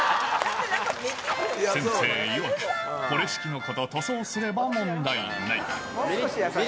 先生いわく、これしきのこと、塗装すれば問題ない。